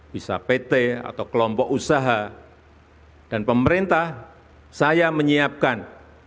bisa pt atau kelompok usaha dan pemerintah saya menyiapkan